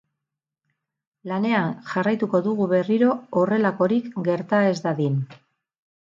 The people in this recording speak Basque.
Lanean jarraituko dugu berriro horrelakorik gerta ez dadin.